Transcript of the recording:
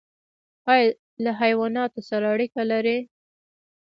ایا له حیواناتو سره اړیکه لرئ؟